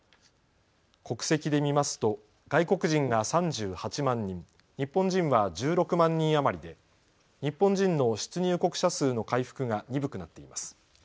国籍で見ますと外国人が３８万人、日本人は１６万人余りで日本人の出入国者数の回復が鈍くなっています。